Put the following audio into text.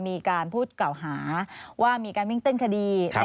มีการพูดกล่าวหาว่ามีการวิ่งเต้นคดี